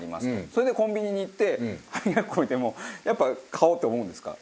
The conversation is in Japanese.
それでコンビニに行って歯磨き粉見てもやっぱ買おうって思うんですか？